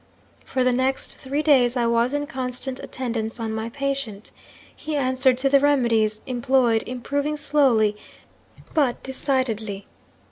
'"For the next three days I was in constant attendance on my patient. He answered to the remedies employed improving slowly, but decidedly.